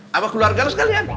sama keluarganya sekalian